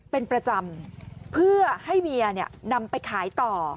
เป็นประจำเพื่อให้เมียนำไปขายต่อ